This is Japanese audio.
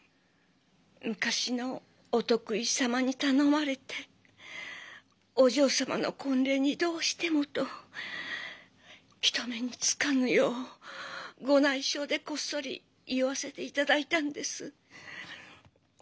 昔のお得意様に頼まれてお嬢様の婚礼にどうしてもと。人目につかぬよう御内証でこっそり結わせていただいたんです。